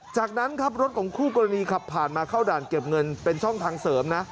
จากนั้นครับรถของคู่กรณีขับผ่านมาเข้าด่านเก็บเงินเป็นช่องทางเสริมนะ